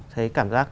thấy cảm giác